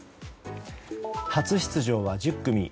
初出場は１０組。